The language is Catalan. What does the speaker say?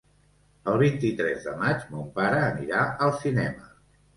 El vint-i-tres de maig mon pare anirà al cinema.